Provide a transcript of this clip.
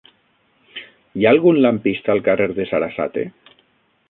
Hi ha algun lampista al carrer de Sarasate?